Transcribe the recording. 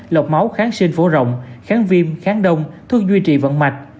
lọc máu kháng sinh phổ rộng kháng viêm kháng đông thuốc duy trì vận mạch